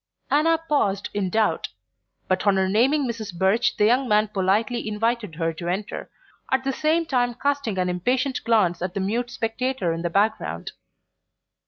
Anna paused in doubt; but on her naming Mrs. Birch the young man politely invited her to enter, at the same time casting an impatient glance at the mute spectator in the background.